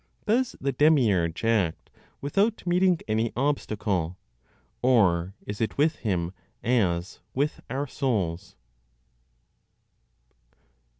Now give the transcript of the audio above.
Does the Demiurge act without meeting any obstacle, or is it with him as with our souls?